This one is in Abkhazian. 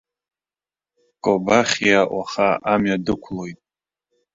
Кобахьиа уаха амҩа дықәлеит.